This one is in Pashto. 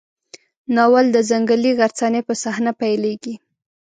ناول د ځنګلي غرڅنۍ په صحنه پیلېږي.